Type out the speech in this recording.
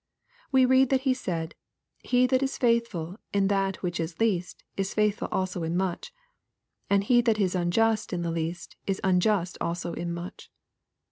We read that He said, ^^ He that is faithful ip that which is least, is faithful also in much : and he that is unjust in the least, is unjust also in much."